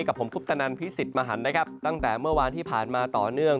กับผมคุปตนันพิสิทธิ์มหันนะครับตั้งแต่เมื่อวานที่ผ่านมาต่อเนื่อง